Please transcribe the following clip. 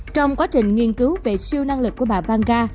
trong quá trình nghiên cứu về siêu năng lực của bà vanca